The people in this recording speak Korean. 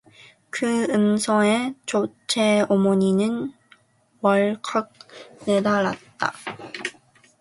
그 음성에 첫째 어머니는 왈칵 내달았다.